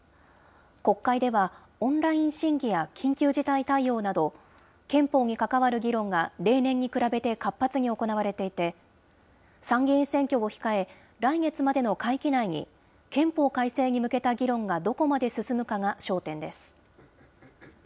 国会ではオンライン審議や緊急事態対応など、憲法に関わる議論が例年に比べて活発に行われていて、参議院選挙を控え、来月までの会期内に憲法改正に向けた議論がどこまで進むかが焦点です。